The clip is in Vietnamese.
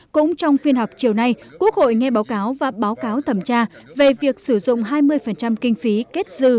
cũng trong phiên họp chiều nay quốc hội nghe báo cáo và báo cáo thẩm tra về việc sử dụng hai mươi kinh phí kết dư